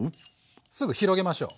すぐ広げましょう。